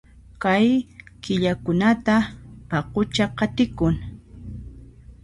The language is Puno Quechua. Kay killakunata paqucha qatikun